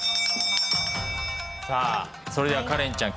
さあそれではカレンちゃん